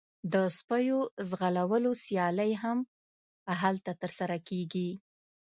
د سپیو ځغلولو سیالۍ هم هلته ترسره کیږي